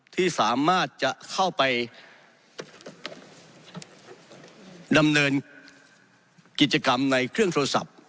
ที่สามารถจะเข้าไปดำเนินกิจกรรมในเครื่องโทรศัพท์